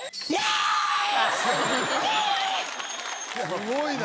すごいな。